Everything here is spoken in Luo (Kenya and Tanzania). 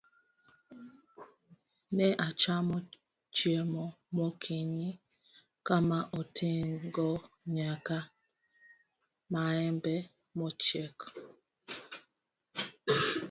Ne achamo chiemo mokinyi kama oting'o nyaka maembe mochiek.